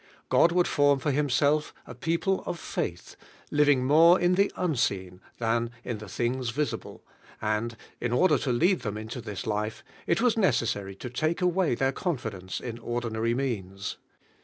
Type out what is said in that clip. God wmild form for Himself a people of faith, living more in the unseen than in I lie things visible; and ^ order to lead them into this life, it was necessary to take away their confidence in ordinary means.